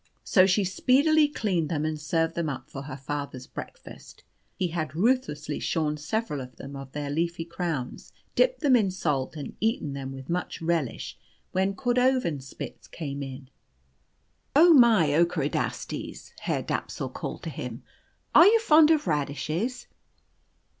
So she speedily cleaned them and served them up for her father's breakfast. He had ruthlessly shorn several of them of their leafy crowns, dipped them in salt, and eaten them with much relish, when Cordovanspitz came in. "Oh, my Ockerodastes," Herr Dapsul called to him, "are you fond of radishes?"